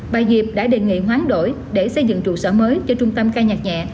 bà diệp đã đề nghị khoáng đổi để xây dựng trụ sở mới cho trung tâm khai nhạc nhẹ